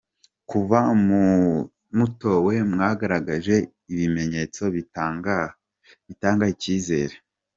Kuva mutowe mwagaragaje ibimenyetso bitanga icyizere.